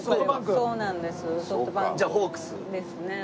じゃあホークス？ですね。